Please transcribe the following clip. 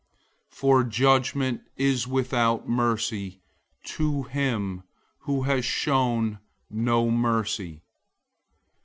002:013 For judgment is without mercy to him who has shown no mercy.